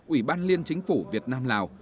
ủy ban liên chính phủ việt nam lào